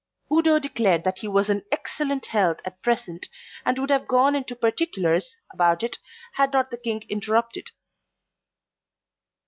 Udo declared that he was in excellent health at present, and would have gone into particulars about it had not the King interrupted.